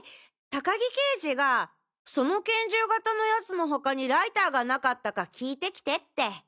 高木刑事がその拳銃型のヤツの他にライターがなかったか聞いてきてって。